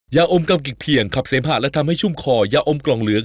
ยาอมกำกิกเพียงขับเสมหะและทำให้ชุ่มคอยาอมกล่องเหลือง